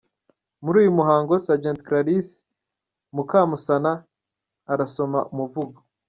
Muri uyu muhango, Sgt Clarisse Mukamusana arasoma umuvugo.